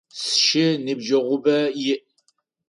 Сшы ныбджэгъубэ иӏ.